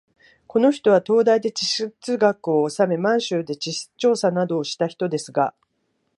この人は東大で地質学をおさめ、満州で地質調査などをした人ですが、